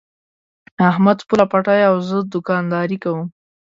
احمد پوله پټی او زه دوکانداري کوم.